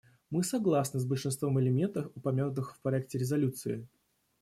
Мы согласны с большинством элементов, упомянутых в проекте резолюции.